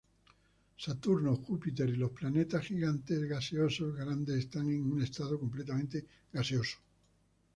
Saturno, Júpiter y los planetas gigantes gaseosos grandes están en un estado completamente "gaseoso".